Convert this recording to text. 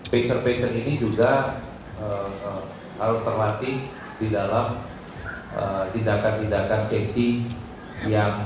peser peser ini juga harus terlatih di dalam tindakan tindakan safety